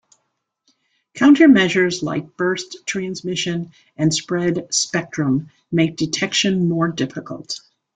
Counter-measures like burst transmission and spread spectrum make detection more difficult.